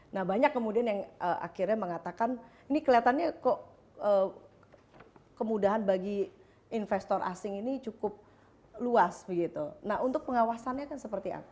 nah banyak kemudian yang akhirnya mengatakan ini kelihatannya kok kemudahan bagi investor asing ini cukup luas begitu nah untuk pengawasannya kan seperti apa